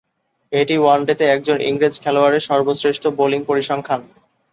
এটি ওয়ানডেতে একজন ইংরেজ খেলোয়াড়ের সর্বশ্রেষ্ঠ বোলিং পরিসংখ্যান।